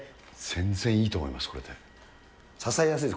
全然いいと思います、これで。